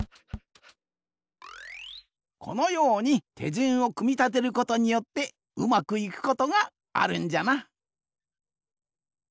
このようにてじゅんをくみたてることによってうまくいくことがあるんじゃな。